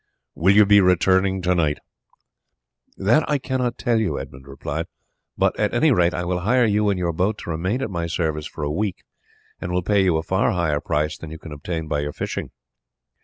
Will you be returning to night?" "That I cannot tell you," Edmund replied; "but at any rate I will hire you and your boat to remain at my service for a week, and will pay you a far higher price than you can obtain by your fishing."